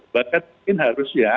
bahkan mungkin harus ya